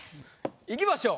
いきましょう。